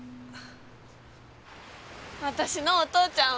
私のお父ちゃん